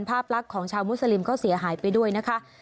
ภาพลักษณ์ของชาวมุสลิมก็เสียหายไปด้วยนะคะ